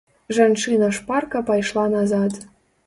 Жанчына шпарка пайшла назад.